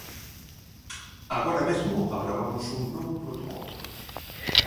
Agora mesmo aprobamos un novo protocolo.